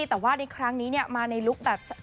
แต่ว่าในครั้งนี้มาในลุคแบบ